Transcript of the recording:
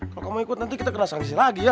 kalau kamu ikut nanti kita kena sanksi lagi ya